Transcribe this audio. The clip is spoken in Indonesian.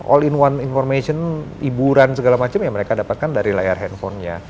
all in one information hiburan segala macam ya mereka dapatkan dari layar handphonenya